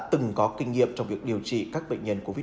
từng có kinh nghiệm trong việc điều trị các bệnh nhân covid một mươi